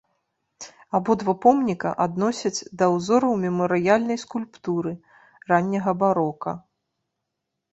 Абодва помніка адносяць да ўзораў мемарыяльнай скульптуры ранняга барока.